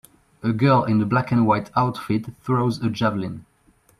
A girl in a black and white outfit throws a javelin